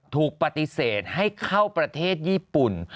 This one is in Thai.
ถูกปฏิเสธให้เข้าประเทศญี่ปุ่น